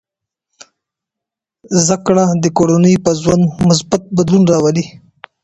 زده کړه د کورنۍ په ژوند مثبت بدلون راولي.